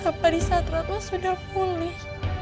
kenapa di saat ratna sudah pulih